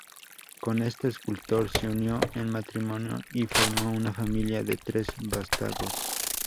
Con este escultor se unió en matrimonio y formó una familia de tres vástagos.